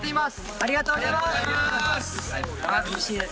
ありがとうございます。